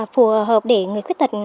phù hợp để người khuyết tật